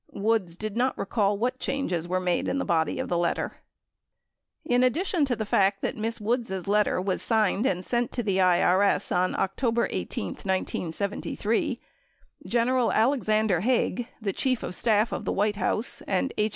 95 Woods did not recall Avhat changes were made in the body of the letter. In addition to the fact that Miss Woods' letter was signed and sent to the IRS on October 18, 1973, Gen. Alexander Haig, the Chief of Staff of the White House and H.